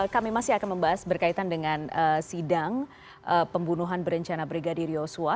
kami masih akan membahas berkaitan dengan sidang pembunuhan berencana brigadir yosua